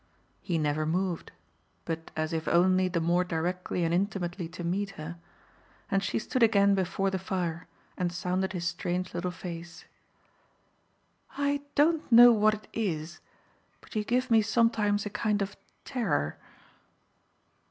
He never moved but as if only the more directly and intimately to meet her and she stood again before the fire and sounded his strange little face. "I don't know what it is, but you give me sometimes a kind of terror."